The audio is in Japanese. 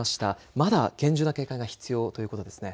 まだ厳重な警戒が必要ということですね。